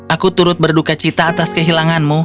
aku turut berduka cita atas kehilanganmu